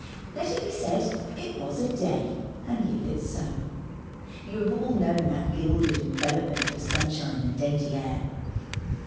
Let it be said it was a Day, and leave it so. You have all known that gilded envelopment of sunshine and dainty air.